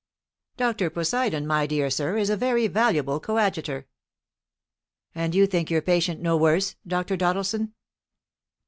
Dr. Poseidon, my dear sir, is a very valuable coadjutor." "And you think your patient no worse, Dr. Doddleson?"